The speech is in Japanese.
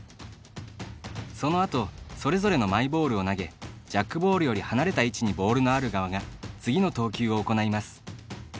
そのあと、それぞれのマイボールを投げジャックボールより離れた位置にボールのある側が次の投球を行います。